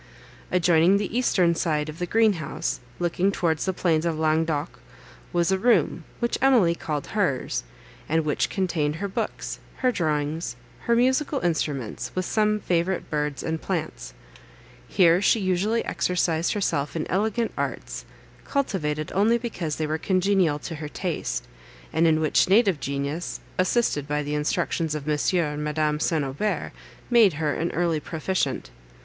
Adjoining the eastern side of the green house, looking towards the plains of Languedoc, was a room, which Emily called hers, and which contained her books, her drawings, her musical instruments, with some favourite birds and plants. Here she usually exercised herself in elegant arts, cultivated only because they were congenial to her taste, and in which native genius, assisted by the instructions of Monsieur and Madame St. Aubert, made her an early proficient.